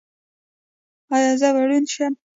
ایا زه به ړوند شم؟